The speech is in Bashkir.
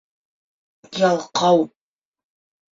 Ялҡау!